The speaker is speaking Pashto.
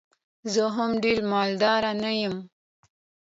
زه هم ډېر مالدار نه یم.